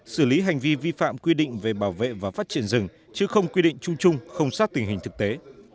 xử lý hành vi vi phạm quy định về bảo vệ và phát triển rừng chứ không quy định chung chung không sát tình hình thực tế